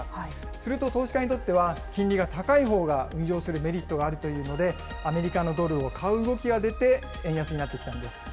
すると投資家にとっては、金利が高いほうが運用するメリットがあるというので、アメリカのドルを買う動きが出て、円安になってきたんです。